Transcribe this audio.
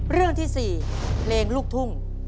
เรื่องที่๔เพลงลูกทุ่ง